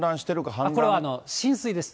これは浸水です。